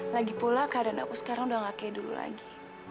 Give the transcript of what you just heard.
lagipula keadaan aku sekarang udah gak kayak dulu lagi